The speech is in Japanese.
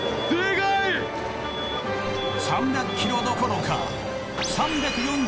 ３００ｋｇどころか３４２ｋｇ。